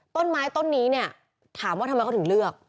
ต้นไม้ต้นนี้เนี่ยถามว่าทำไมเขาถึงเลือก